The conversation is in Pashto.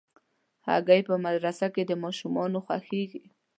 هګۍ په مدرسه کې د ماشومانو خوښېږي.